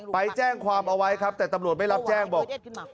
ไปแจ้งความเอาไว้ครับแต่ตำรวจไม่รับแจ้งบอก